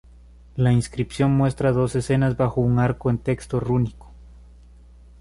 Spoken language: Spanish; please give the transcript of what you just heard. La inscripción muestra dos escenas bajo un arco en texto rúnico.